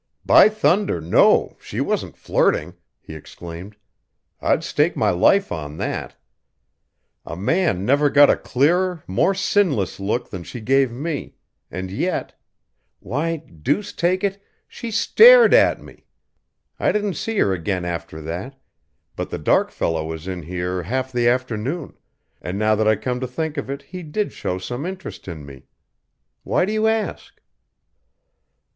"By thunder, no, she wasn't flirting!" he exclaimed. "I'd stake my life on that. A man never got a clearer, more sinless look than she gave me, and yet Why, deuce take it, she stared at me! I didn't see her again after that, but the dark fellow was in here half of the afternoon, and now that I come to think of it he did show some interest in me. Why do you ask?"